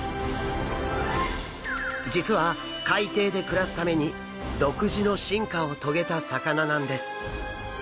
実は海底で暮らすために独自の進化を遂げた魚なんです。